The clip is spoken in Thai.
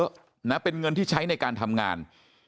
จริงแล้วเนี่ยมันมีไม่เยอะนะเป็นเงินที่ใช้ในการทำงาน